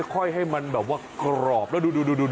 ค่อยให้มันแบบว่ากรอบแล้วดู